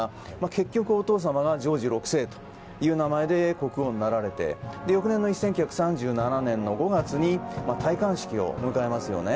結局、お父様がジョージ６世という名前で国王になられて翌年の１９３７年５月に戴冠式を迎えますよね。